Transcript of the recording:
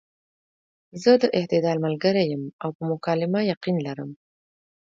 زۀ د اعتدال ملګرے يم او پۀ مکالمه يقين لرم -